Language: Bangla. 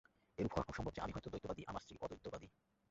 এরূপ হওয়া খুব সম্ভব যে, আমি হয়তো দ্বৈতবাদী, আমার স্ত্রী অদ্বৈতবাদী।